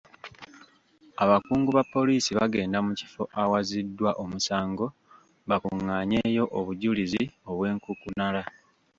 Abakungu ba poliisi bagenda mu kifo awaziddwa omusango bakungaanyeewo obujulizi obwenkukunala.